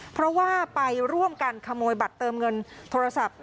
เพราะว่าไปร่วมกันขโมยบัตรเติมเงินโทรศัพท์